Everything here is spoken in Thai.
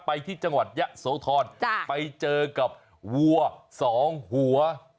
ไปที่จังหวัดยะโสธรไปเจอกับวัวสองหัว